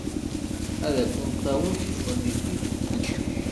Ad ak-in-taweḍ tẓallit-iw.